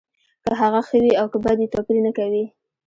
که هغه ښه وي او که بد وي توپیر نه کوي